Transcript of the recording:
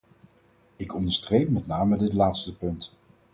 Ik onderstreep met name dit laatste punt.